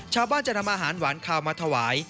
ชาวบ้านจะนำอาหารหวานคาวมาถวาย